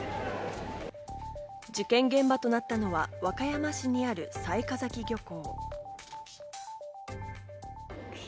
事件現場となったのは、和歌山市にある雑賀崎漁港。